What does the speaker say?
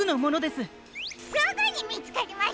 すぐにみつかりましたね。